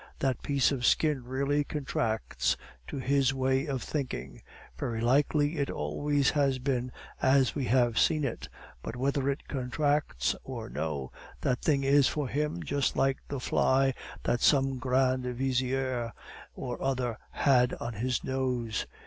That piece of skin really contracts, to his way of thinking; very likely it always has been as we have seen it; but whether it contracts or no, that thing is for him just like the fly that some Grand Vizier or other had on his nose.